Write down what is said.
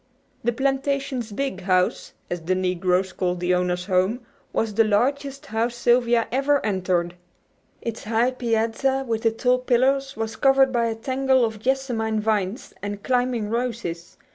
The plantation's "big house," as the negroes called the owner's home, was the largest house Sylvia had ever entered. Its high piazza with the tall pillars was covered by a tangle of jessamine vines and climbing roses.